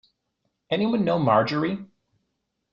Anyone know Marjorie?